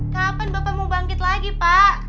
kapan bapak mau bangkit lagi pak